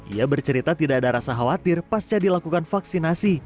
ia bercerita tidak ada rasa khawatir pasca dilakukan vaksinasi